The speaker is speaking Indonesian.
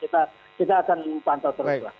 dan kita akan pantau terus lah